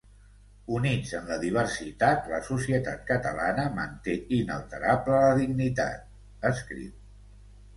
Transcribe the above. Units en la diversitat, la societat catalana manté inalterable la dignitat, escriu.